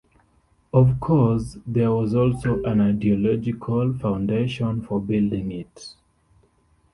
Of course, there was also an ideological foundation for building it.